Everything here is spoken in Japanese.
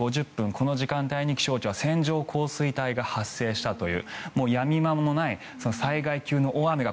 この時間帯に気象庁は線状降水帯が発生したというやみ間もない災害級の大雨が